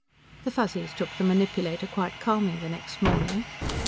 IV The Fuzzies took the manipulator quite calmly the next morning.